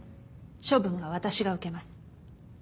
処分は私が受けます。